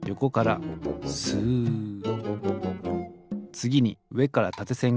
つぎにうえからたてせん